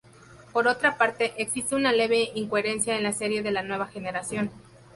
Por otra parte, existe una leve incoherencia en la serie de La Nueva Generación.